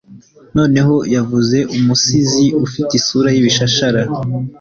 noneho yavuze umusizi ufite isura y'ibishashara